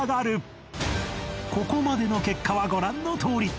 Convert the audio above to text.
ここまでの結果はご覧のとおり